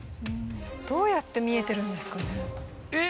どうやって見えてるんですかね？